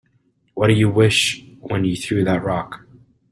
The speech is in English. What'd you wish when you threw that rock?